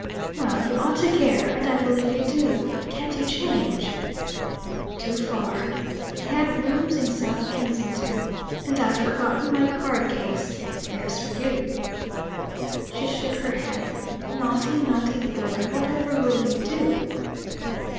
"Well, you ought to care. And I believe you do. Can't you change?" "Too far." He had rooms in South Kensington. "And I've forgot my card case. There's for you!" She shook her head. "Naughty, naughty boy! Whatever will you do?"